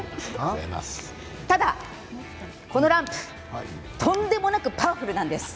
ただ、このランプとんでもなくパワフルなんです。